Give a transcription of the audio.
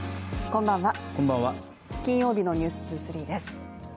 こんばんは、金曜日の「ｎｅｗｓ２３」です。